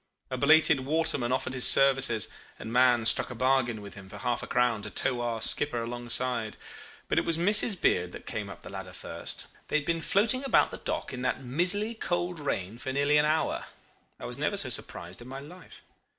A belated waterman offered his services, and Mahon struck a bargain with him for half a crown to tow our skipper alongside; but it was Mrs. Beard that came up the ladder first. They had been floating about the dock in that mizzly cold rain for nearly an hour. I was never so surprised in my life.